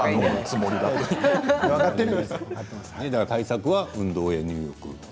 対策は運動や入浴。